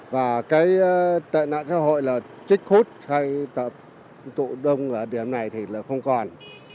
và cái tệ nạn xã hội là trích khuất hay tụ đông ở điểm này thì không còn